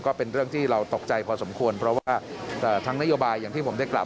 ก็เป็นเรื่องที่เราตกใจพอสมควรเพราะว่าทั้งนโยบายอย่างที่ผมได้กลับ